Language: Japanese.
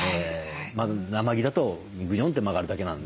生木だとグニョンって曲がるだけなんで。